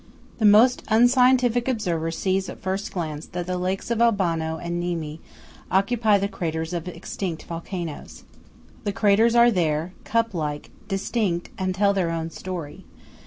THE most unscientific observer sees at a first glance that the lakes of Albano and Nemi occupy the craters of extinct volcanos. The craters are there, cup like, distinct, and tell their own story.